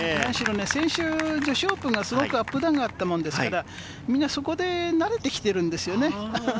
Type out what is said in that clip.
先週、女子オープンがすごくアップダウンがあったものですから、みんなそこで慣れてきてるんですよね。